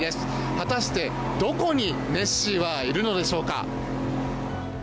果たして、どこにネッシーはいるのでしょうか。